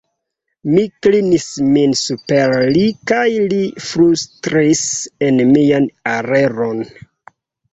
Mi klinis min super li kaj li flustris en mian orelon: